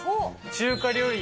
中華料理